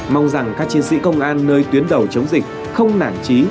mong rằng các chiến sĩ công an nơi tuyến đầu chống dịch không nản trí